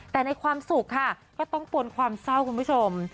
แต่ในความสุขค่ะก็ต้องปนความเศร้าคุณผู้ชม